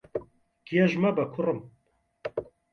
گێژ مەبە، کوڕم.